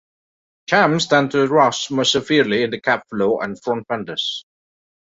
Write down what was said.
Champs tend to rust most severely in the cab floor and front fenders.